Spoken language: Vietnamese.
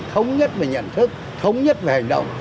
thống nhất về nhận thức thống nhất về hành động